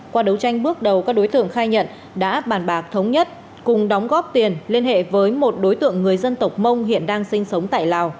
qua đấu tranh bước đầu các đối tượng khai nhận đã bàn bạc thống nhất cùng đóng góp tiền liên hệ với một đối tượng người dân tộc mông hiện đang sinh sống tại lào